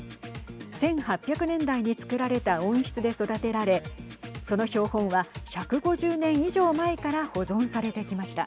１８００年代につくられた温室で育てられその標本は１５０年以上前から保存されてきました。